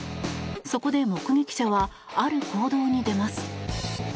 そこで目撃者はある行動に出ます。